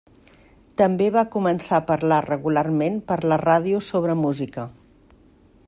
També va començar a parlar regularment per la ràdio sobre música.